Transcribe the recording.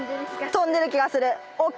「跳んでる気がする！ＯＫ！